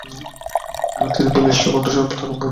তাঁর বলিষ্ঠ কণ্ঠস্বর তাকে মোহিত করে।